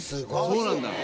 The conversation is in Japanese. そうなんだ。